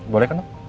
boleh kan dok